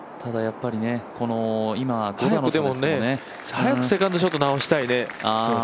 早くセカンドショット直したいね。